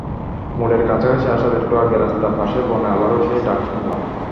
মোড়ের কাছাকাছি আসার একটু আগে রাস্তার পাশের বনে আবারও সেই ডাক শুনলাম।